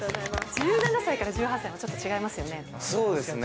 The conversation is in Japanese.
１７歳から１８歳はちょっとそうですね。